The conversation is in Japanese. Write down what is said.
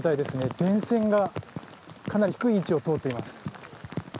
電線がかなり低い位置を通っています。